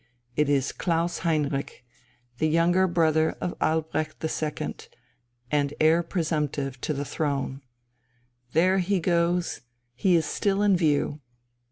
It is Klaus Heinrich, the younger brother of Albrecht II, and heir presumptive to the throne. There he goes, he is still in view.